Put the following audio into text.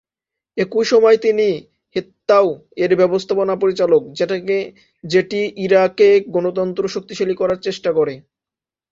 একই সময়ে তিনি "হেততাও"-এর ব্যবস্থাপনা পরিচালক, যেটি ইরাকে গণতন্ত্র শক্তিশালী করার চেষ্টা করে।